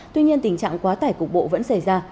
tuy nhiên tình trạng quá tải cục bộ vẫn xảy ra